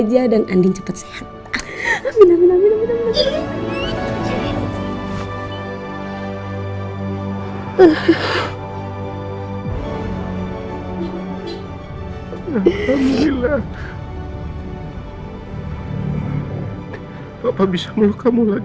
jangan dipaksain sayang